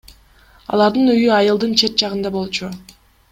Алардын үйү айылдын чет жагында болчу.